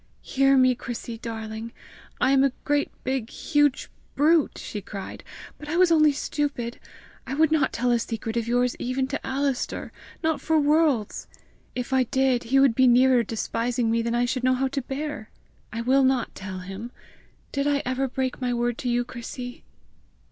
"Hear me, Chrissy, darling! I am a great big huge brute," she cried. "But I was only stupid. I would not tell a secret of yours even to Alister not for worlds! If I did, he would be nearer despising me than I should know how to bear. I will not tell him. Did I ever break my word to you, Chrissy?"